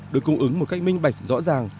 được cung ứng một cách minh bạch rõ ràng